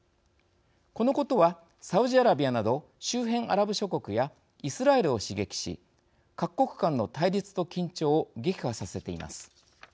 このことは、サウジアラビアなど周辺アラブ諸国やイスラエルを刺激し各国間の対立と緊張を激化させています。